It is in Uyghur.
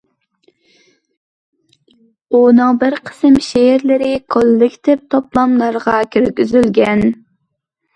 ئۇنىڭ بىر قىسىم شېئىرلىرى كوللېكتىپ توپلاملارغا كىرگۈزۈلگەن.